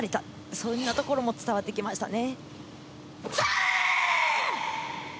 そんなところも伝わってきましたね。